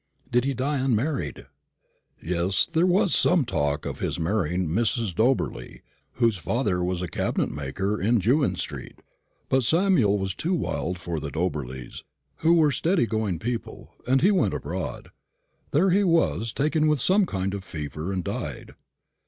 "Did he die unmarried?" "Yes. There was some talk of his marrying a Miss Dobberly, whose father was a cabinet maker in Jewin street; but Samuel was too wild for the Dobberlys, who were steady going people, and he went abroad, where he was taken with some kind of fever and died."